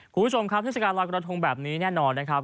คุณผู้ชมครับเทศกาลลอยกระทงแบบนี้แน่นอนนะครับ